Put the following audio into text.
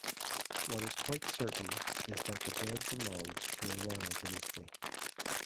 What is quite certain is that the dead belonged to a royal dynasty.